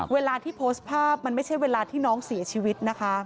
เวลาที่โพสต์ภาพมันไม่ใช่เวลาที่น้องเสียชีวิตนะคะ